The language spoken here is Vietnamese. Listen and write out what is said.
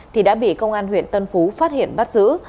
thì đã bị công an huyện tân phú phát hiện bắt giữ